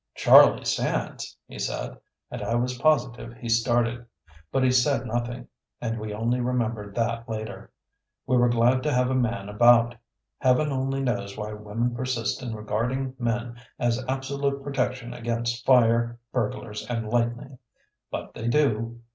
"Charlie Sands!" he said, and I was positive he started. But he said nothing, and we only remembered that later. We were glad to have a man about. Heaven only knows why women persist in regarding men as absolute protection against fire, burglars and lightning. But they do.